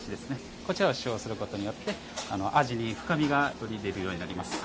こちらを使用することによって味に深みが入れられるようになります。